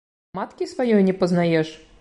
Маткі сваёй не пазнаеш?!